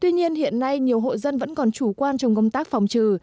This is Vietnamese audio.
tuy nhiên hiện nay nhiều hộ dân vẫn còn chủ quan trong công tác phòng trừ